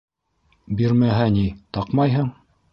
Бирмәһә ни... таҡмайһың!